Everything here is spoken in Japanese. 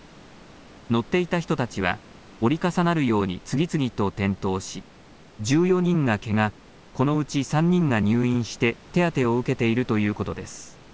乗っていた人たちは折り重なるように次々と転倒し１４人がけがこのうち３人が入院して手当てを受けているということです。